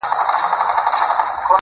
په کلو یې یوه زرکه وه ساتلې -